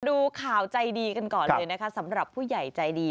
ดูข่าวใจดีกันก่อนเลยนะคะสำหรับผู้ใหญ่ใจดี